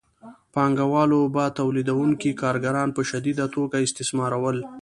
پانګوالو به تولیدونکي کارګران په شدیده توګه استثمارول